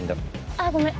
ああごめん。